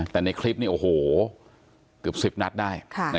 แต่ในคลิปเนี่ยโอ้โหกลิ่บสิบนัดได้